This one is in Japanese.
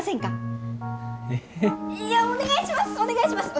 お願いします！